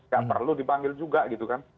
gak perlu dipanggil juga gitu kan